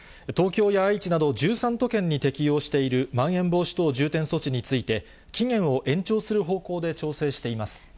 東京や愛知など１３都県に適用しているまん延防止等重点措置について、期限を延長する方向で調整しています。